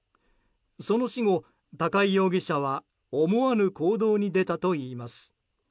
その死後、高井容疑者は思わぬ行動に出たといいます。